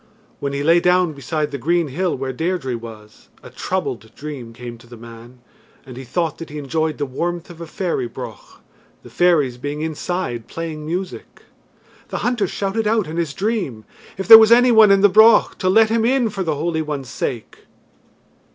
When he lay down beside the green hill where Deirdre was, a troubled dream came to the man, and he thought that he enjoyed the warmth of a fairy broch, the fairies being inside playing music. The hunter shouted out in his dream, if there was any one in the broch, to let him in for the Holy One's sake.